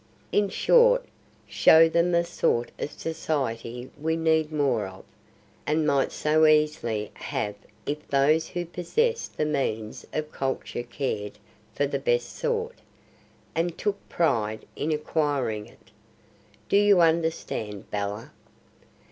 In short, show them the sort of society we need more of, and might so easily have if those who possess the means of culture cared for the best sort, and took pride in acquiring it. Do you understand, Bella?"